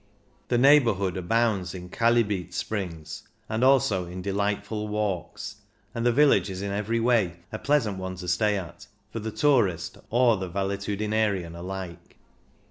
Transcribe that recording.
The neighbourhood abounds in chalybeate springs and also in delightful walks, and the village is in every way a pleasant one to stay at, for the tourist or the valetudinarian alike.